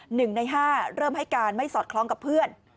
หนึ่งในห้าเริ่มให้การไม่สอดคล้องกับเพื่อน